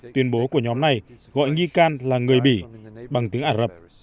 tuyên bố của nhóm này gọi nghi can là người bỉ bằng tiếng ả rập